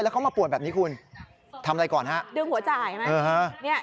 แล้วเขามาป่วนแบบนี้คุณทำอะไรก่อนฮะดึงหัวจ่ายอะไรเนี้ย